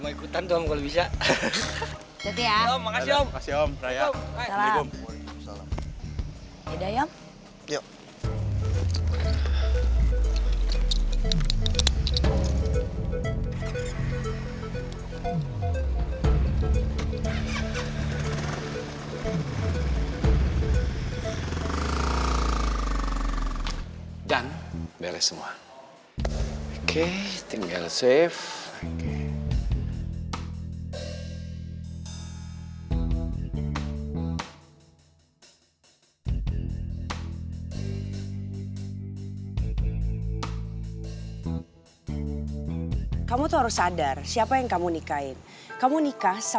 iya jadi kamu ikutan tuh om kalau bisa